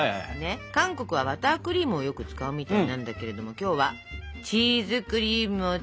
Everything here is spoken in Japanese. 韓国はバタークリームをよく使うみたいなんだけれども今日はチーズクリームを作ってみようと思います